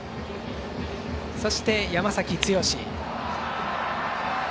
そして、山崎剛。